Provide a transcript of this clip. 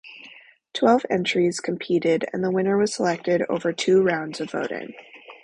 Twelve entries competed and the winner was selected over two rounds of voting.